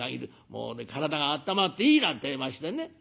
もうね体があったまっていいなんてえ言いましてね」。